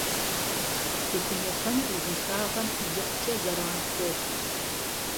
Тутын ефэныр узыншагъэм икъукӀэ зэран хуохъу.